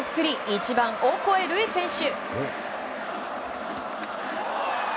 １番、オコエ瑠偉選手。